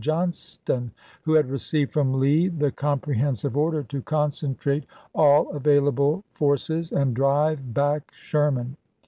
Johnston, who had received from Lee the com prehensive order to " concentrate all available forces and drive back Sherman."